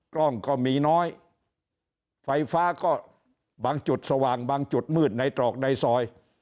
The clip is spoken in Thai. กล้องก็มีน้อยไฟฟ้าก็บางจุดสว่างบางจุดมืดในตรอกในซอย